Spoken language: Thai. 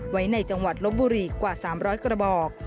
ไว้ในจังหวัดลบบุรีกว่า๓๐๐กระบอก